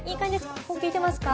ここ効いてますか？